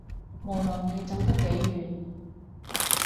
無論你走得幾遠